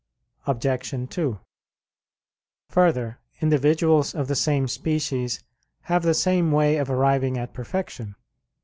Obj. 2: Further, individuals of the same species have the same way of arriving at perfection.